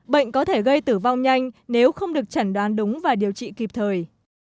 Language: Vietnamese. bệnh có thể gây tử vong nhanh nếu không được chẩn đoán đúng và điều trị kịp thời